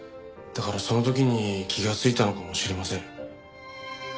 だからその時に気がついたのかもしれません。